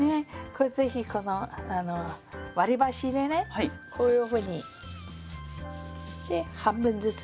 是非この割り箸でねこういうふうに。で半分ずつ。